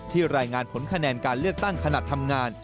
รายงานผลคะแนนการเลือกตั้งขณะทำงาน